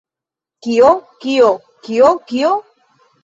Kio? Kio, kio? Kio?